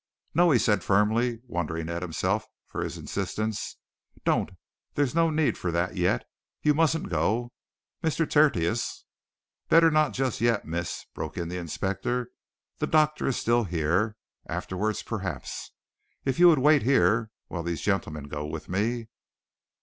"No!" he said firmly, wondering at himself for his insistence. "Don't! There's no need for that yet. You mustn't go. Mr. Tertius " "Better not just yet, miss," broke in the inspector. "The doctor is still here. Afterwards, perhaps. If you would wait here while these gentlemen go with me."